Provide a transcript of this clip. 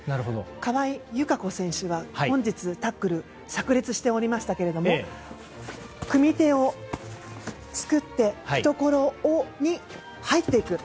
川井友香子選手は本日タックル炸裂しておりましたけど組み手を作って懐に入っていく。